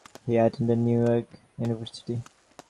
He attended New York University.